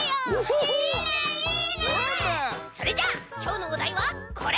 それじゃあきょうのおだいはこれ！